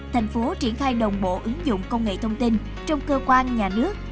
thành phố triển khai đồng bộ ứng dụng công nghệ thông tin trong cơ quan nhà nước